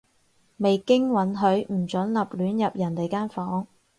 未經允許，唔准立亂入人哋間房